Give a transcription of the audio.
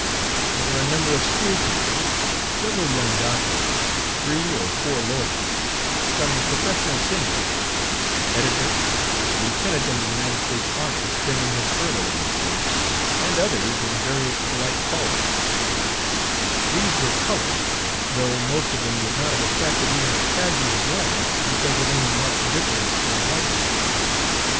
There Page 18 were a number of school teachers, several young doctors, three or four lawyers, some professional singers, an editor, a lieutenant in the United States army spending his furlough in the city, and others in various polite callings; these were colored, though most of them would not have attracted even a casual glance because of any marked difference from white people.